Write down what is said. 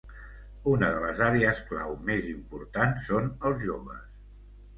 Una de les àrees clau més important són els joves.